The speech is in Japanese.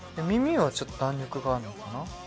耳はちょっと弾力があるのかな。